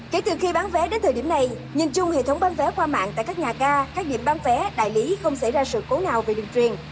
kể từ khi bán vé đến thời điểm này nhìn chung hệ thống bán vé qua mạng tại các nhà ga các điểm bán vé đại lý không xảy ra sự cố nào về đường truyền